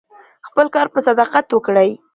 خپل کار په صداقت وکړئ.